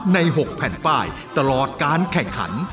๖แผ่นป้ายตลอดการแข่งขัน